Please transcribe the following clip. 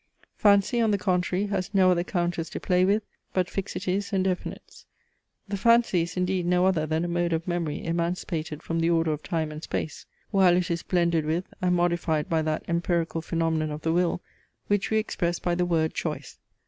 FANCY, on the contrary, has no other counters to play with, but fixities and definites. The fancy is indeed no other than a mode of memory emancipated from the order of time and space; while it is blended with, and modified by that empirical phaenomenon of the will, which we express by the word Choice.